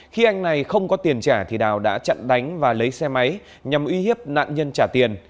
khi anh này không có tiền trả thì đào đã chặn đánh và lấy xe máy nhằm uy hiếp nạn nhân trả tiền